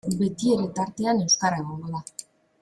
Betiere tartean euskara egongo da.